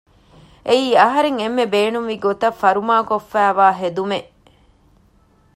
އެއީ އަހަރަން އެންމެ ބޭނުންވި ގޮތަށް ފަރުމާ ކޮށްފައިވާ ހެދުމެއް